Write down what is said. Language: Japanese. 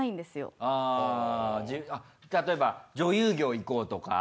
あ例えば女優業いこうとか。